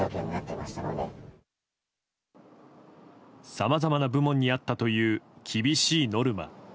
さまざまな部門にあったという厳しいノルマ。